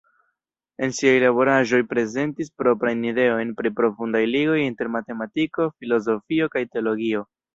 En siaj laboraĵoj prezentis proprajn ideojn pri profundaj ligoj inter matematiko, filozofio kaj teologio.